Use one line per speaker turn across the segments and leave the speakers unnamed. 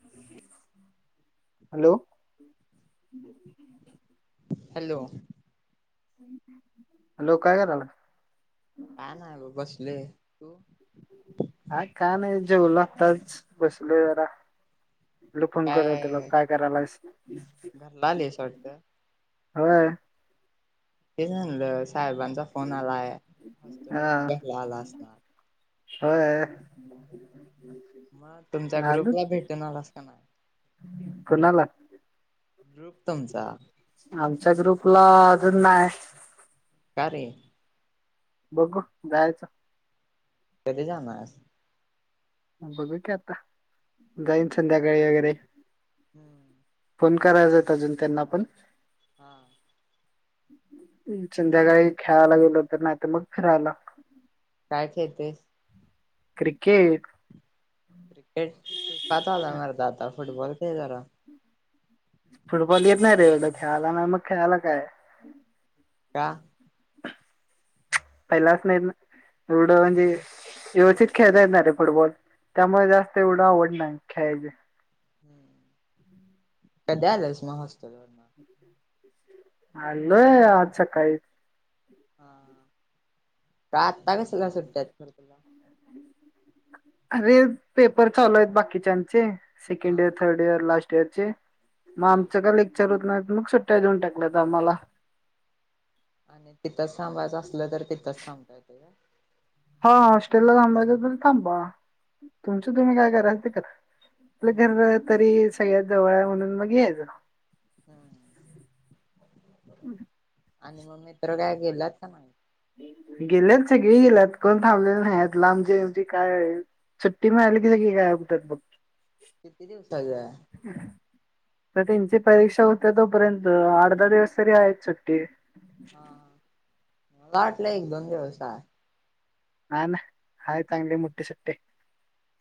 [unintelligible] Hello.
Hello
hello काय करालाय.
काय नाही बग बसलोय तू.
हा का नाही जेवलो आताच बसलोय जरा. म्हणलो फोन करूया तुला. काय करायलास.
घरला आलेस वाटतं
व्हय.
तेच म्हणल साहेबांचा फोन आलाय हॉस्टेलवर
हा
न घ्याला आलाय असणार.
होय.
मग तुमच्या ग्रुपला भेटून आलासा.
कोणाला.
ग्रुप तुमचा.
आमच्या ग्रुपला अजून नाय.
का रे.
बघू जायचं.
कधी जाणर आहेस.
बघू की आता जाईन संध्याकाळी वगैरे.
हम्म.
फोन करायचा हुता अजून त्यांना पण.
हा.
् संध्याकाळी खेळायला गेलो तर. नाही तर मग फिरायला.
काय खेळतोयस.
क्रिकेट.
क्रिकेट बास झालं मर्दा आता फुटबॉल खेळ जरा.
फुटबॉल येत नाही रे एवढं खेळाला. नाही मग खेळाला काय.
का
पहिल्यापासून येत नाही. एवढं म्हणजे व्यवस्थित खेळता येत नाहीरे फुटबॉल. त्यामुळे जास्त एवढं आवड नाही खेळायची.
कधी आलास मग हॉस्टेलवरन.
अलोय आज सकाळी.
हा आता कसला सुट्ट्यात खर तुला.
अरे पेपर चालू आहेत. बाकीच्याचे
हा
second year third year last. चे मग
हा
आमचं का लेक्चर होत नाहीत. मग सुट्ट्या देऊन टाकल्या तर आम्हाला.
आणि तिथंच थांबायचं असल तर तिथंच थांबता येत का.
हा हॉस्टेल ला थांबायच तरी थांबा. तुमचं तुम्ही काय कराय ते करा. आपलं
हम्म
घर तरी सगळ्यात जवळ म्हणून मग याच.
हम् आणि मग मित्र काय गेलात का मग.
गेलेत सगळे गेल्यात. कोण थांबलेले नाही हायत लांबचे-बीमचे काय आहे. सुट्टी मिळाली आली की सगळी गायब होतात बघ.
किती दिवासाची हाय.
तर त्यांची परीक्षा होत्या. तोपर्यंत आठ- दहा दिवस तरी आहेच सुुट्टी.
हा मला वाटलं एक दोन दिवस हाय.
काय नाही हाय चांगली मोठी सुट्टी.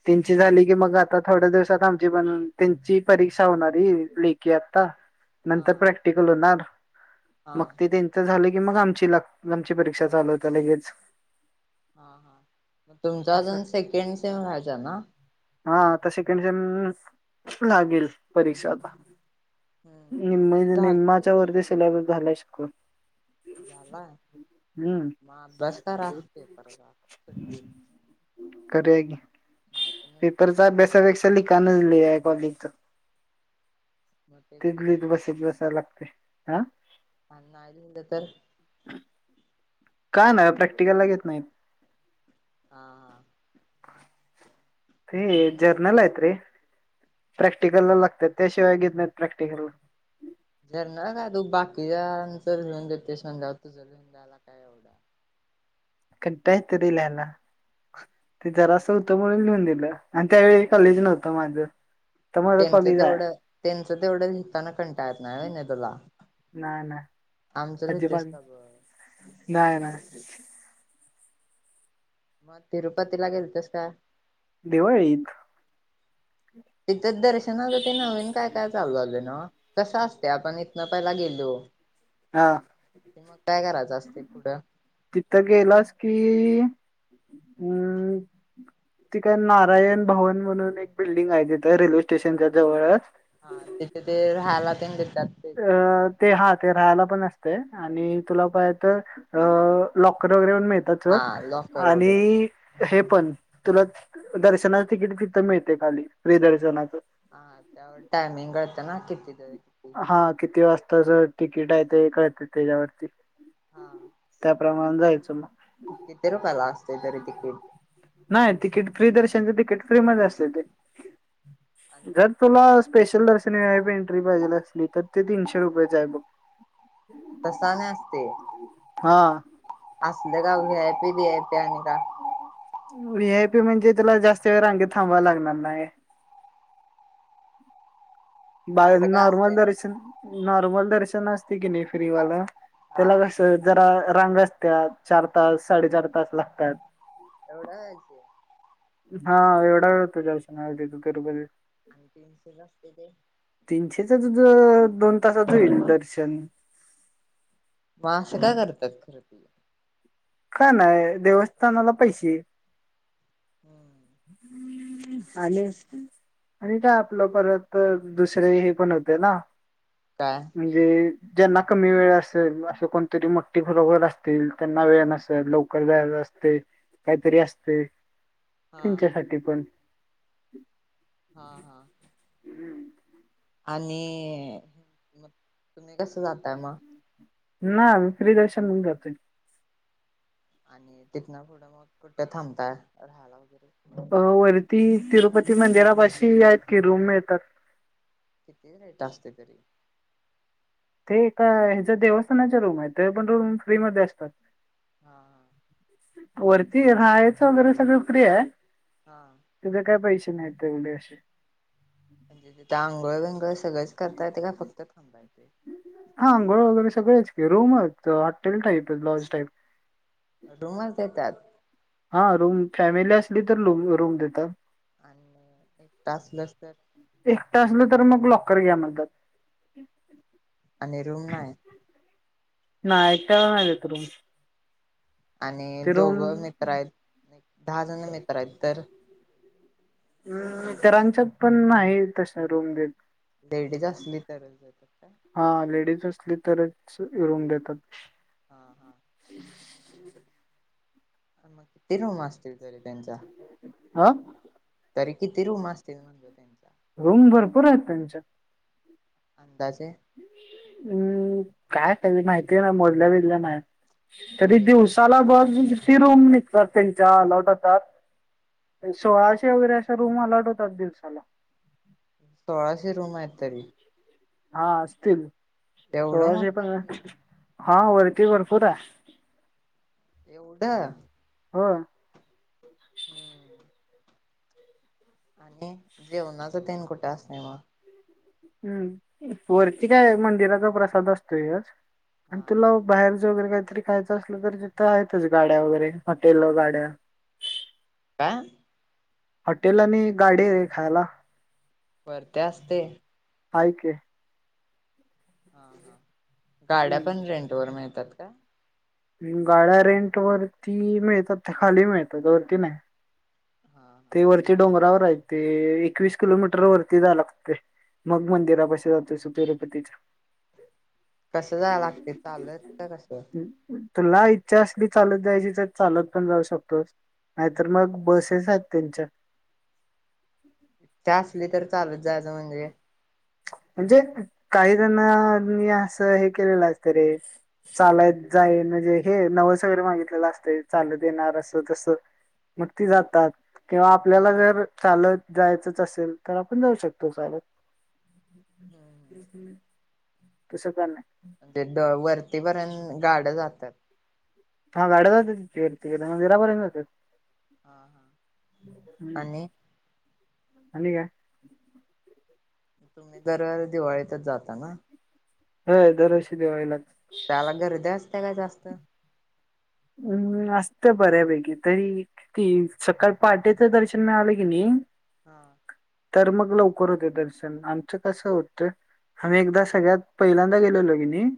त्यांची झाली की मग आता थोड्या दिवसात आमची पण. त्यांची परीक्षा होणारी लेखी आता.
हा
नंतर प्रॅक्टिकल होणार
हा
मग ते त्यांच झाल की. कि मग आमची. आमची परीक्षा चालू होत्या लगेच.
हा. हा तुमचा
असं.
अजून सेकंड से व्हायचा ना.
हा आता सेकंड सेम लागेल परीक्षा आता.
हम्म
निम्म
आमची झाली
निम्माच्या
सेकंड
वरती
सेम
सिलेबस झाल्या शिवून.
झालाय. म अभ्यास करा पेपरचा
करूया की.
ना [unintelligible]
पेपरचा अभ्यासापेक्षा लिकाणच लई आहे कॉलेजच.
मग
ते
कधी
गिरवत
करणार
बसत बसायला लागते हा.
आणि नाही लिहिलं तर.
काय नाही प्रॅक्टिकलला घेत नाहीत.
हा. हा.
ते
आणि
जर्नल हाईत रे. प्रॅक्टिकल ला लागतात, त्याशिवाय घेत नाहीत प्रॅक्टिकला.
जर्नरच हाय, तू बाकीच्याच लिहून देतोय, ते समजा तुझ लिहुन द्यायला काय एवढं.
कंटाळा येतोय रे ल्याला. ते जरा असं होतं म्हणून, लिहून दिलं आणि त्यावेळी कॉलेज नव्हतं माझं. तर माझं
तेनचं
कॉलेज आहे
तेवढं तेनचं तेवढं लिताना कंटाळ येत नाही व्हय नाय तुला?
नाही नाही
आमचं लय
अजिबात
तेस नगो.
नाही नाही.
मग तिरुपतीला गेलतसं काय?
दिवाळीत
तिथंच दर्शनाचं ते नवीन काय काय चालू झालयं नव्ह, कसं असतयं आपण इथनं पहिला गेलो
हा.
की मग काय करायचं असतंय पुढं
तिथं गेलास की, अम ति काय नारायण भवन म्हणून, एक बिल्डिंग आहे तिथं रेल्वे स्टेशनच्या जवळच
हा तिथे ते राहायला तेन देतात ते त्यांना
अ ते हा ते राहायला पण तय तूला पाहिजे तर, अ लाँकर वगैरे मिळतात सोड
हा लॉकर
आणि
वगैरे
हे पण तुला दर्शनाचं तिकीट तिथं मिळतय, खाली फ्री दर्शनाचं.
[unintelligible] कितीच आहे.
तस तिकिट आहे ते कळते त्याच्यावरती.
हा.
[unintelligible] जायचं मग.
किती रुपयाला असते, तरी तिकीट?
नाही तिकीट फ्री दर्शनच तिकीट फ्री मध्ये असतंय ते,
आणि
जर तुला स्पेशल दर्शन वि आय पी एंट्री पाहिजे असली तर ते तीनशे रुपयाच आहे बघ.
तसं‌ आणि असतंय.
हा
असलं काय V I P B I P आणि का
वी आय पी म्हणजे तुला जास्त वेळ रांगेत थांबाय लागणार नाही. [inaudible] बा
असं का
नॉर्मल
असते मग
दर्शन नॉर्मल दर्शन असते की नाही फ्रीवालं‌
हा
त्याला कसं जरा रांग असत्यात, चार तास साडेचार तास लागतात.
एवढा उशीर.
हा एवढा वेळ होतो दर्शनाला तिथं तिरुपतीत.
आणि तीनशेला असते ते?
तीनशेचच दोन तासात होईल दर्शन.
म आस काय करतात खरं ती?
काय नाही देवस्थानाला पैसे.
हम्म
[unintelligible] आणि आणि काय आपलं परत दुसरे हे पण होते ना
काय
म्हणजे ज्यांना कमी वेळ असेल, असं कोणतरी मोठ्ठी घरोघर असतील त्यांना वेळ नसेल लवकर जायच असतंय, काहीतरी असतंय
हा
त्यांच्यासाठी पण.
हा हा. आणि मग तुम्ही कसं जाताय मग?
ना म फ्री दर्शन म्हून करतोय
आणि तिथ ना पुढं मग कुठे थांबताय राहायला वगैरे
अ वरती तिरुपती मंदिरापाशी आहेत कि रूम मिळतात
किती रेट असते तरी
ते एका ह्याच्या देवस्थानाच्या रूम आहे ते पण रूम फ्री म असतात
हा हा
वरती राहायचं वगैरे सगळं क आहे
हा
तिथे काय पैसे नाहीवढे असशी
म्हणजे जथ आंघोळ विंगळ सगळेंच करता येत का फक्त थांबायचे
हा आंघोळ वगैरे सगळेच रूमच हॉटेल टाईप लॉज टाईप
रूमच देतात
हा रूम फॅमिली असली तर रूम देतात
आणि एक तास लस तर
एकटा असलं तर मग लॉकर घ्या म्हणतात
आणि रूम नाही.
नाही [unintelligible] रुम
आणि दोघं मित्र आहेत दहा जण मित्र आहेत तर
हम्म मित्रांच्यात पण नाही तस्या रूम देत.
लेडीज असली तरच देतात काय?
हा लेडीज असली तरच रूम देतात.
हा हा मग ते नव [unintelligible] त्यांचा
हा
तरी किती रुम असतील म्हणतो त्यांचा.
रूम भरपूर आहेत त्यांच्या. हम्म काय का माहितीय ना मोडल्या बिजल्या नाही तरी
अरे
दिवसाला बघ तिरूम सर त्यांच्या [unintelligible] सोळाशे वगैरे अशा रूम अलाउढ होतात दिवसाला.
सोळाशे रूम आहे तरी.
हा असतील
एवढं
सोळाशे
मोठं
पण
आहे ते
हा वरती भरपूर आहे.
एवढं.
हो.
हम्म. आणि जेवणाचं तेन कुठं असत मग.
हम्म वरती काय मंदिराचा प्रसाद असतोयच आणि
हा
तुला बाहेर वगैरे काहीतरी खायचं असल तर तिथ आहेतच गाड्या वगैरे हॉटेला गाड्या.
काय?
हॉटेल आणि गाडी रे खायला.
परते असते.
हाय कि.
हा हा गाड्या पण
हम्म
रेंट वर मिळतात काय?
गाड्या रेंट वरती मिळतात खाली मिळतात त्या वरती नाही.
हा हा
ते वरचे डोंगरावर आहे ते एकवीस किलोमीटर वरती जायाय लागतंय. मग मंदिरापाशी जातोस तिरुपतीच्या.
कसं जाय लागते चालत का कसं.
तुला इच्छा असली चालत जायची तर चालत पण जाऊ शकतोस, नाहीतर मग बसेस आहेत. तेंनच्या.
ते असली तर चालत जायचं म्हणजे काय
[inaudible] म्हणजे काही जणनी असं हे केलेलं असत रे चालात जाईल म्हणजे हे नवस वगैरे मागितलेलं असते चालत येणार अस तस. मग ती
म्हणजे
जातात किंवा आ पल्याला जर चालत जायचंच असेल तर आपण जाऊ शकतो चालत. तसं काय नाही.
म्हणजे द वरतीपर्यंत गाड्या जातात.
हा गाड्या जातात कि वरतीकडं मंदिरापर्यंत जातात.
हा हा आणि.
आणि काय?
तुम्ही दर दिवाळीतच जाता ना?
होय दर वर्षी दिवाळीलाच.
त्याला गर्दी असते काय जास्त?
हम्म असत बऱ्यापैकी तरी ती सकाळ पहाटेच दर्शन मिळालं कि नाही.
हा.
तर मग लवकर होते दर्शन आमचं कसं होत आम्ही एकदा सगळ्यात पहिल्यांदा गेलेलो की नाही.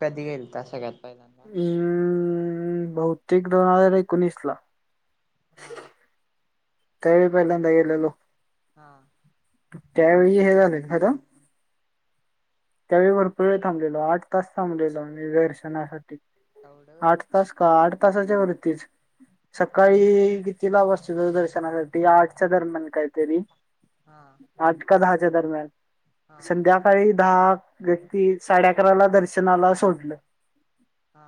कधी गेलता सगळ्यात पहिल्यांदा.
हम् बौतेक दोन हजार एकोणीस ला
हा
त्यावे पहिल्यांदा गेलेलो
हा
त्यावेळी हे झालं खता त्यावेळीभर पुळ थांबलेलो आठ तास थांबलेल मी दर्शनासाठी
एवढं व्हय
आठ तास का आठ तासाच्या वरतीच सकाळी ला वस्त दूरदर्शनासाठी आठच्या दरम्यान काहीतरी
हा
आटका
हा
संध्याकाळी दहा व्यक्ती साडे अकरा ला दर्शनाला सोडलं
हा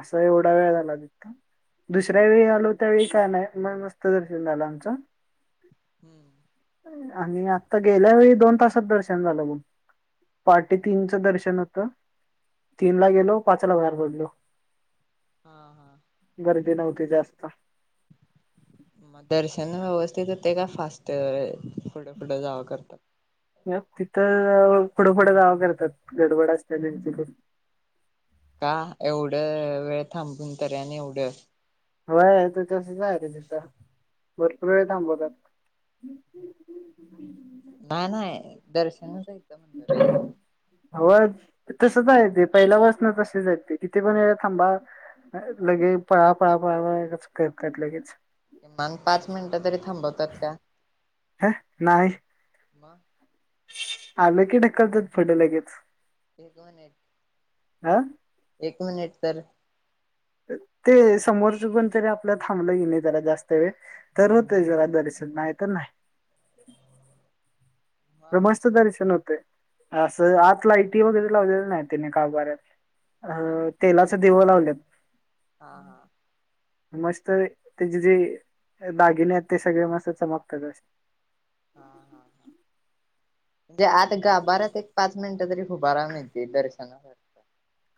असं एवढा वेळ झाला त दुसऱ्या
हम्म
वेळी आलो त्यावेळी काय नाही म मत क दर्शन झालं आमचं
हम्म
आणि आता गेल्या वेळी दोन तासात दर्शन झालं मग पहाटे तीनच दर्शन होतं तीन ला गेलो पाचला बाहेर पडलो
हा हा
गर्दी नव्हती जास्त
मग दर्शन व्यवस्थित होते का फास्ट पुढे पुुढे जावं करतात
तिथं फोडंफडं गावं करतात गडबडा अस्टॅलचे ल
का एवढं वेळ थांबून ते आणि एवढं
हो आहे त तसच आहे रे तिथं भरपूर वेळ थांबवतात ह
नाही नाही दर्शनच यं म्हणर
तसचय ते पहिला वचन तसेचय ते किथे पण व थांबा लगेच पळा पळा पळा पळा कस करतय लगेच
कि मग पाच मिनिट तरी थांबवतात का
हा नाहीय
मग
आलं की ढक्कलतात फड लगेच
एक
हा
मिनिट एक मिनिट तर
ते समोरच पण तरी आपलं थांबलं गे नाही जला जास्त वेळ तर होत जरा दर्शन चल नाही तर नाही. तर
मग
मस्त दर्शन होते. असं आत लायटी वगैरे लावलेलं नाही तिने गाभाऱ्यात. आ
मग
तेलाच दिव लावल्यात.
हा हा
मस्त त्याचे जे दगिने आहेत ते. सगळे मस्त चमकतात असते.
हम्म. हम्म. जे आता गाभाऱ्यात एक-पाच मिनिट तरी. उभा राहून येत. दर्शनाला.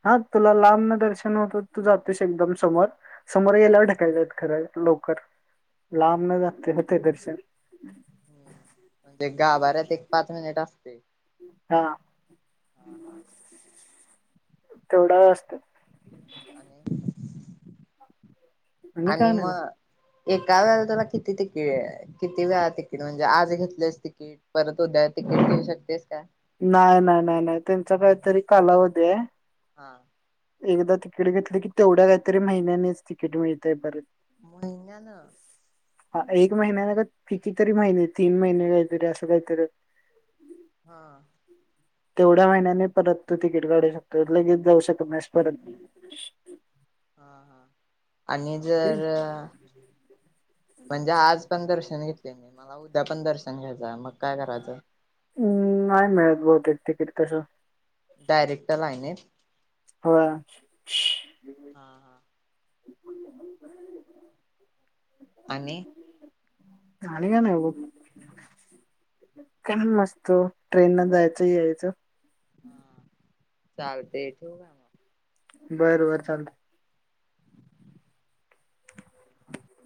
हा तुला लांबन दर्शन होत. तू जातोस एकदम समोर-समोर गेल्यावर ढकलतात खरं. लवकर लांब न जातेल होते दर्शन.
ह् म्हणजे गाभऱ्यात एक पाच मिनिट असते.
हा
हा हा
तेवडा असतो.
आणि. आणि
काय नाही बघ.
मग. एका वेळेला तुला किती तिकीट. किती वेळा तिकीट म्हणजे आज घेतलेच तिकीट परत उद्या तिकेट घेऊ शकतेस का.
नाही. नाही. नाही. नाही. त्यांचा काहीतरी कालावध आहे.
हा.
एकदा तिकीट घेतल की. तेवढ्या काहीतरी महिन्यानेच तिकीट मिळतय परत.
महिन्यान.
हा एक महिन्याने का कितीतरी महिने तीन महिने काहीतरी असं काहीतरी.
हा.
तेवढ्या महिन्याने परत तू तिकीट काढू शकतोस. लगेच जाऊ शकत नाहीस परत.
हा. हा. आणि
ते,
जर म्हणजे आज पण दर्शन घेतलं. मला उद्या पण दर्शन घ्यायचं मग काय करायचं?
हम् नाही मिळत बहुतेक तिकीट तसं.
डायरेक्ट लाईनत.
होय.
हा हा आणि.
आणि काय नाही बघ. काय मस्त ट्रेन न जायचं-यायचं.
चालतेवाय ठेव काय मग.
बर-बर चालतय.